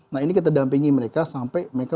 nah ini kita dampingi mereka sampai mereka